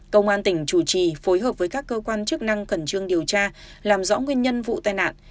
công an tỉnh chủ trì phối hợp với các cơ quan chức năng khẩn trương điều tra làm rõ nguyên nhân vụ tai nạn